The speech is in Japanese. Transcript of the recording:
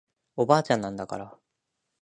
おばあちゃんなんだから